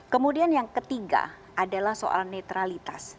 kemudian yang ketiga adalah soal netralitas